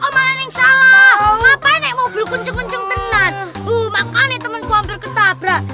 makanya temenku hampir ketabrak